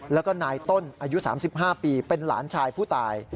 แล้วก็นายต้นอายุ๓๕ปีเป็นหลานชายผู้ตาย